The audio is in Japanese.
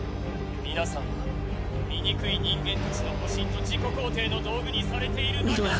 皆さんは醜い人間達の保身と自己肯定の道具にされているだけだ！